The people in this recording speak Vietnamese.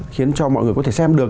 khiến cho mọi người có thể xem được